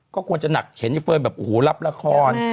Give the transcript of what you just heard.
ก็ควรจะหนักเห็นไอเฟิร์นแบบโอ้โหรับละคร